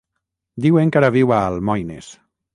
Diuen que ara viu a Almoines.